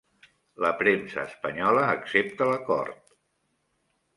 La premsa espanyola accepta l'acord